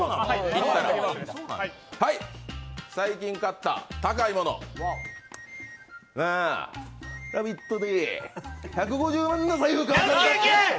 最近買った高いもの「ラヴィット！」で１５０万円の財布買ったぜ。